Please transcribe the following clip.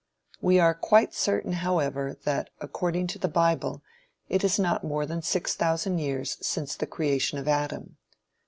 We are quite certain, however, that, according to the bible, it is not more than six thousand years since the creation of Adam.